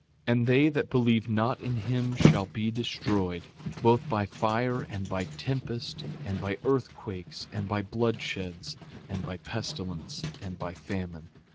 6:15 And they that believe not in him shall be destroyed, both by fire, and by tempest, and by earthquakes, and by bloodsheds, and by pestilence, and by famine.